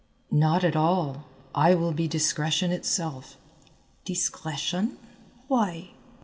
"Not at all, I will be discretion itself." "Discretion why?"